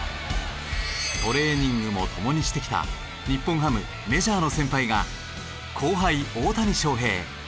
トレーニングも共にしてきた日本ハムメジャーの先輩が後輩大谷翔平